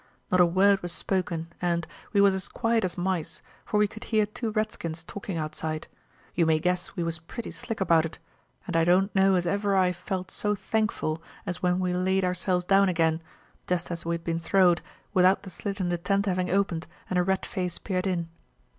Not a word was spoken and, we was as quiet as mice, for we could hear two redskins talking outside. You may guess we was pretty slick about it; and I don't know as ever I felt so thankful as when we laid ourselves down again, jest as we had been throwed, without the slit in the tent having opened and a red face peered in.